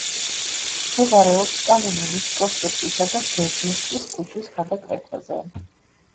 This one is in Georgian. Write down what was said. მდებარეობს კალინინის პროსპექტისა და ძერჟინსკის ქუჩის გადაკვეთაზე.